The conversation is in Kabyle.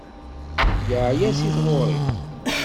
Yeεya si tɣuri.